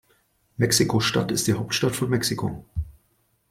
Mexiko-Stadt ist die Hauptstadt von Mexiko.